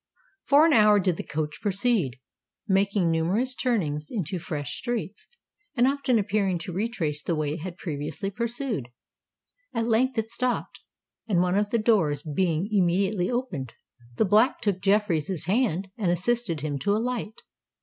For an hour did the coach proceed, making numerous turnings into fresh streets, and often appearing to retrace the way it had previously pursued. At length it stopped; and, one of the doors being immediately opened, the Black took Jeffreys' hand and assisted him to alight.